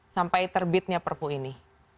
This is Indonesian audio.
sampai terbitnya perpu ini